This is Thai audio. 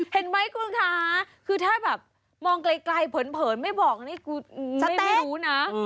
เห็นไหมคุณคะคือถ้าแบบมองไกลเผินไม่บอกนี่กูฉันไม่รู้นะ